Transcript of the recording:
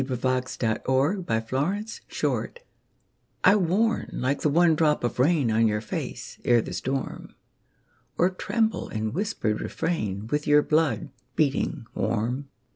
THE VOICE OF THE VOID I warn, like the one drop of rain On your face, ere the storm; Or tremble in whispered refrain With your blood, beating warm.